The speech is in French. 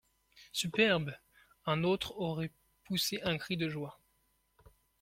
Superbe ! un autre aurait poussé un cri de joie…